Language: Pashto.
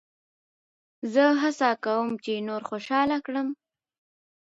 زه هڅه کوم، چي نور خوشحاله کړم.